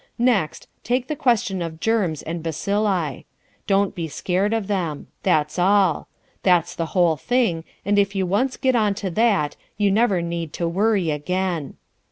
Next, take the question of germs and bacilli. Don't be scared of them. That's all. That's the whole thing, and if you once get on to that you never need to worry again.